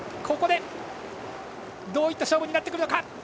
ここでどういった勝負になるか。